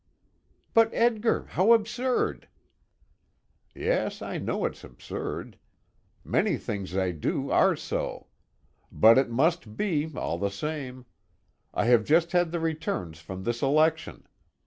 "But, Edgar, how absurd!" "Yes, I know it's absurd. Many things I do are so. But it must be, all the same. I have just had the returns from this election.